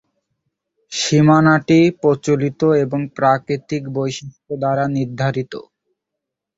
সীমানাটি প্রচলিত এবং প্রাকৃতিক বৈশিষ্ট্য দ্বারা নির্ধারিত।